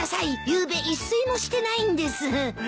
ゆうべ一睡もしてないんです。